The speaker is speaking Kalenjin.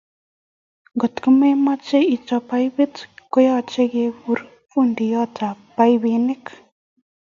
ngot ko memuchi ichop paipit, koyoech kekur fundiotab paipinik